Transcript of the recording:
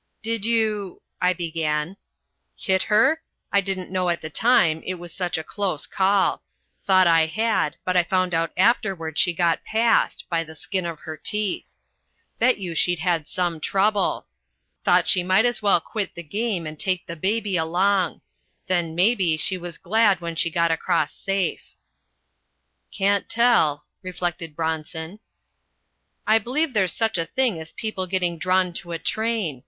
"Did you " I began. "Hit her? I didn't know at the time, it was such a close call. Thought I had, but I found out afterward she got past by the skin of her teeth. Bet you she'd had some trouble. Thought she might as well quit the game and take the baby along. Then, mebbe, she was glad when she got across safe." "Can't tell," reflected Bronson. "I b'lieve there's such a thing as people getting drawn to a train.